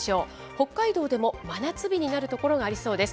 北海道でも真夏日になる所がありそうです。